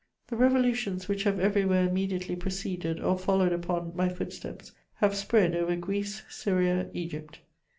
The revolutions which have everywhere immediately preceded, or followed upon, my footsteps have spread over Greece, Syria, Egypt.